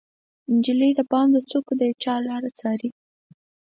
نجلۍ د بام د څوکو د یوچا لاره څارې